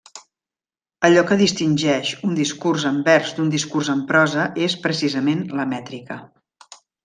Allò que distingeix un discurs en vers d'un discurs en prosa és precisament la mètrica.